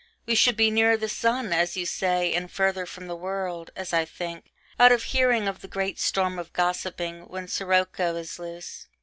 We should be nearer the sun, as you say, and further from the world, as I think out of hearing of the great storm of gossiping, when 'scirocco is loose.'